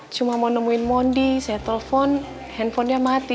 cuma mau nemuin mondi saya telepon handphonenya mati